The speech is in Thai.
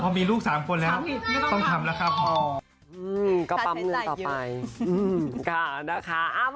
พอมีลูก๓คนแล้วต้องทำแล้วครับ